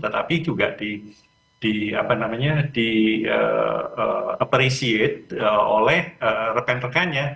tetapi juga di apa namanya di appreciate oleh rekan rekannya